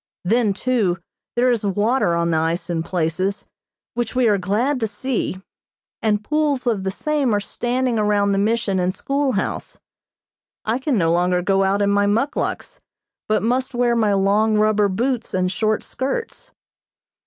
Then, too, there is water on the ice in places, which we are glad to see, and pools of the same are standing around the Mission and schoolhouse. I can no longer go out in my muckluks, but must wear my long rubber boots and short skirts.